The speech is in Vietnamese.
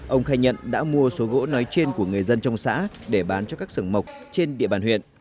ông khai nhận đã mua số gỗ nói trên của người dân trong xã để bán cho các sường mộc trên địa bàn huyện